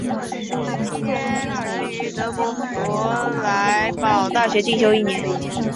期间曾于德国佛莱堡大学进修一年。